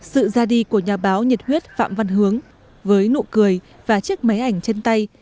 sự ra đi của nhà báo nhiệt huyết phạm văn hướng với nụ cười và chiếc máy ảnh chân tay